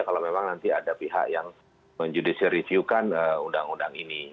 kalau memang nanti ada pihak yang menjudisiriviewkan undang undang ini